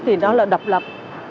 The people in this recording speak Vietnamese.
thì nó là đập lập